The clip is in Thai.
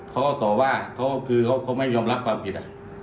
เขาก็ต่อว่าเขาคือเขาไม่ยอมรับความผิด